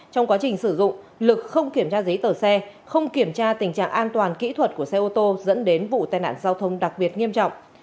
trong quá trình sử dụng lực không kiểm tra giấy tờ xe không kiểm tra tình trạng an toàn kỹ thuật của xe ô tô dẫn đến vụ tai nạn giao thông đặc biệt nghiêm trọng